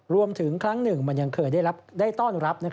รวมถึงครั้งหนึ่งมันยังเคยได้ต้อนรับ